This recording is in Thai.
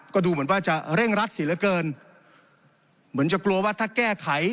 ก็ดูเหมือนว่าจะเร่งรัดเสียเหลือเกินเหมือนจะกลัวว่าถ้าแก้ไข